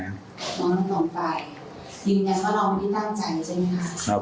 อย่างนั้นเพราะเราไม่ได้ตั้งใจใช่ไหมครับ